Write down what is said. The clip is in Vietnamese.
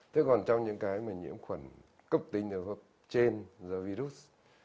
thế còn trong những cái mà nhiễm khuẩn cấp tính ở hộp trên virus